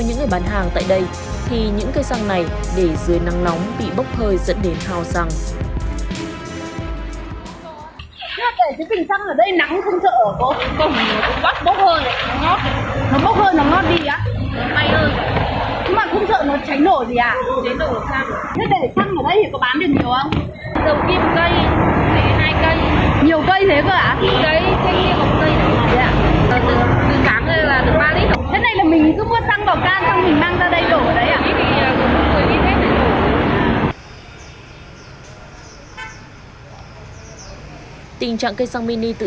những người bán hàng tại đây thì những cây xăng này để dưới nắng nóng bị bốc hơi dẫn đến thao xăng